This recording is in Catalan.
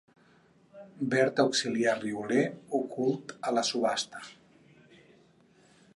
Verb auxiliar rioler ocult a la subhasta.